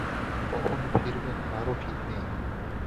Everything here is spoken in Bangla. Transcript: কখন ফিরবেন তারও ঠিক নেই।